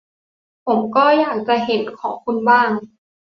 ผมก็อยากจะเห็นของคุณบ้าง